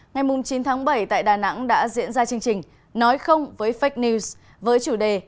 ngày chín tháng bảy tại đà nẵng đã diễn ra chương trình nói không với fake news với chủ đề